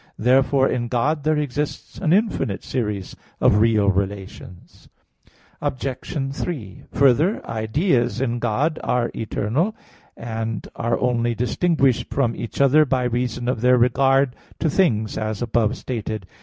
Therefore in God there exists an infinite series of real relations. Obj. 3: Further, ideas in God are eternal (Q. 15, A. 1); and are only distinguished from each other by reason of their regard to things, as above stated.